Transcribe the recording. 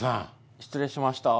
失礼しました。